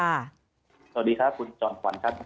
สวัสดีค่ะคุณจรฟันครับ